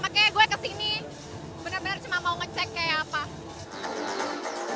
makanya gue kesini bener bener cuma mau ngecek kayak apa